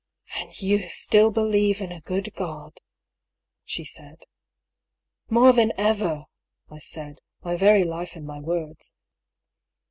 " And you still believe in a good God ?" she said. " More than ever !" I said, my very life in my words.